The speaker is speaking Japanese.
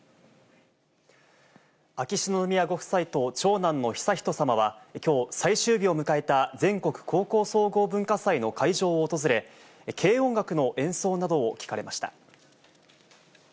秋篠宮ご夫妻と長男の悠仁さまはきょう、最終日を迎えた全国高校総合文化祭の会場を訪れ、軽音楽の演奏などを聴かれました。